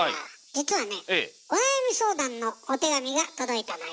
実はねお悩み相談のお手紙が届いたのよ。